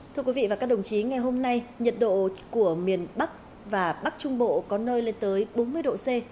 thưa quý vị và các đồng chí ngày hôm nay nhiệt độ của miền bắc và bắc trung bộ có nơi lên tới bốn mươi độ c